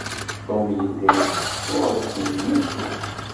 Tom yella iteddu ɣer teglisya.